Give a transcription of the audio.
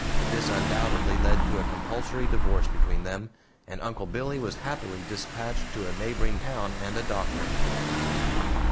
This undoubtedly led to a compulsory divorce between them, and Uncle Billy was happily dispatched to a neighboring town and a doctor.